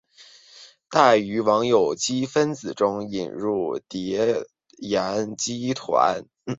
用于往有机分子中引入叠氮基团。